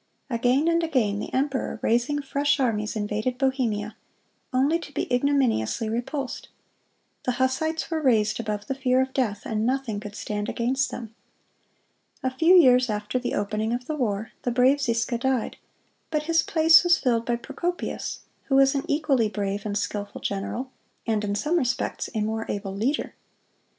Again and again the emperor, raising fresh armies, invaded Bohemia, only to be ignominiously repulsed. The Hussites were raised above the fear of death, and nothing could stand against them. A few years after the opening of the war, the brave Ziska died; but his place was filled by Procopius, who was an equally brave and skilful general, and in some respects a more able leader.